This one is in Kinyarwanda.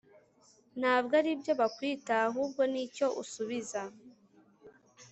ntabwo aribyo bakwita, ahubwo ni icyo usubiza